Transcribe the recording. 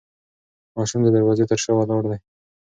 ماشوم د دروازې تر شا ولاړ دی.